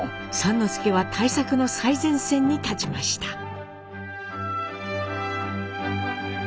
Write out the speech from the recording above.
之助は対策の最前線に立ちました。